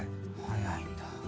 早いんだ。